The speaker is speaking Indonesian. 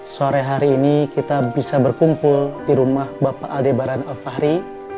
sore hari ini kita bisa berkumpul di rumah bapak aldebaran al fahri